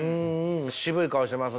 渋い顔していますね。